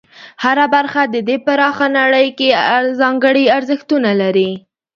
هره برخه د دې پراخه نړۍ کې ځانګړي ارزښتونه لري.